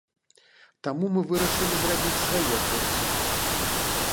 Таму мы вырашылі зрабіць свае курсы.